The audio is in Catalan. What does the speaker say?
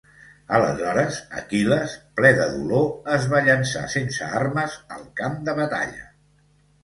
Aleshores, Aquil·les, ple de dolor, es va llençar sense armes al camp de batalla.